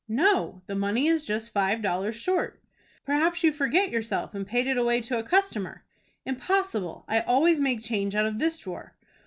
"No. The money is just five dollars short." "Perhaps you forget yourself, and paid it away to a customer." "Impossible; I always make change out of this drawer."